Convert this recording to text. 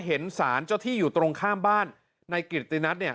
เห็นสารเจ้าที่อยู่ตรงข้ามบ้านในกิตตินัทเนี่ย